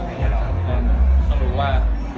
ต้องรู้ว่า